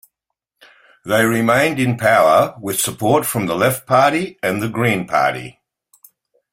They remained in power with support from the Left Party and the Green Party.